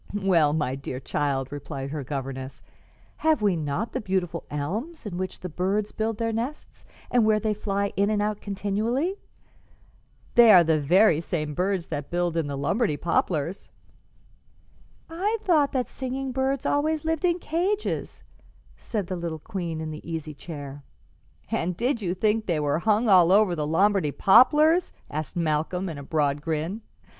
"Why, my dear child," replied her governess, "have we not the beautiful elms, in which the birds build their nests and where they fly in and out continually? They are the very same birds that build in the Lombardy poplars." "I thought that singing birds always lived in cages," said the little queen in the easy chair. "And did you think they were hung all over the Lombardy poplars?" asked Malcolm, in a broad grin.